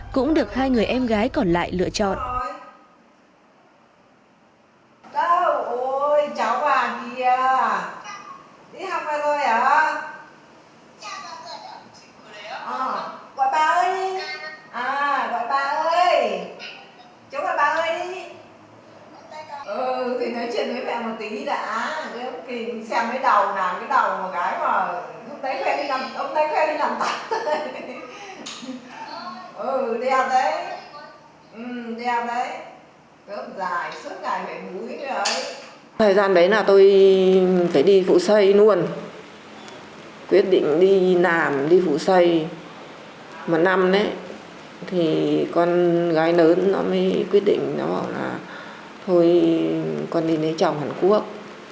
con đi lấy chồng hàn quốc